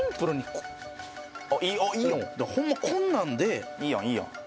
こんなんでいいやんいいやん